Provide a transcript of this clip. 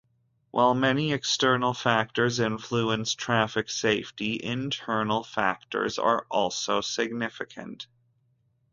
While many external factors influence traffic safety, internal factors are also significant.